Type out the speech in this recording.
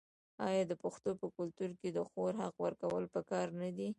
آیا د پښتنو په کلتور کې د خور حق ورکول پکار نه دي؟